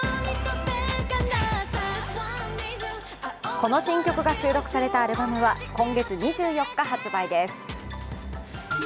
この新曲が収録されたアルバムは今月２４日発売です。